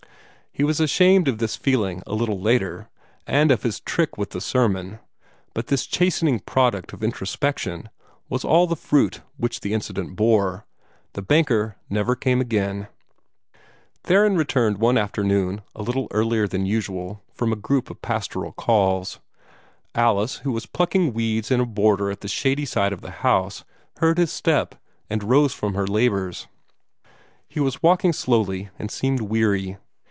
He was ashamed of this feeling a little later, and of his trick with the sermon. But this chastening product of introspection was all the fruit which the incident bore. The banker never came again. Theron returned one afternoon, a little earlier than usual, from a group of pastoral calls. Alice, who was plucking weeds in a border at the shady side of the house, heard his step, and rose from her labors. He was walking slowly, and seemed weary.